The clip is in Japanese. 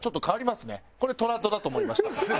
これトラッドだと思いました。